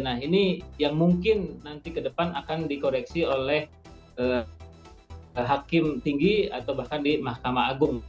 nah ini yang mungkin nanti ke depan akan dikoreksi oleh hakim tinggi atau bahkan di mahkamah agung